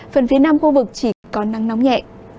phần phía nam khu vực chỉ có nắng nóng nhẹ